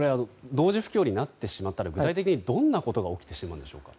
同時不況になってしまったら具体的にどんなことが起きてしまうのでしょうか。